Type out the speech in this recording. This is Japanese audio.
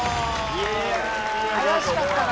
怪しかったな。